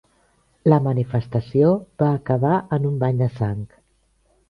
La manifestació va acabar en un bany de sang.